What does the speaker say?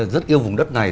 rất yêu vùng đất này